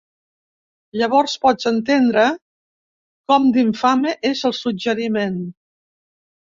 Llavors pots entendre com d'infame és el suggeriment.